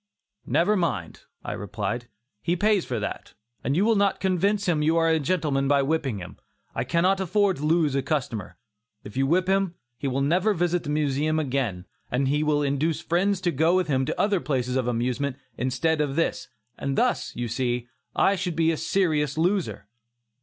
"Never mind," I replied, "he pays for that, and you will not convince him you are a gentleman by whipping him. I cannot afford to lose a customer. If you whip him, he will never visit the Museum again, and he will induce friends to go with him to other places of amusement instead of this, and thus, you see, I should be a serious loser."